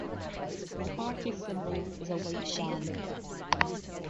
The party's symbol is a white ram.